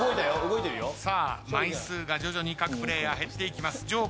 さあ枚数が徐々に各プレーヤー減っていきます。